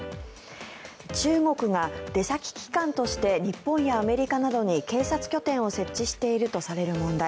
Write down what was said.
中国が出先機関として日本やアメリカなどに警察拠点を設置しているとされる問題。